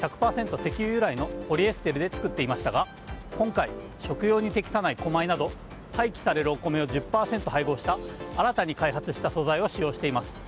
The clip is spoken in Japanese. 石油由来のポリエステルで作っていましたが今回、食用に適さない古米など廃棄されるお米を１０％配合した新たに開発した素材を使用しています。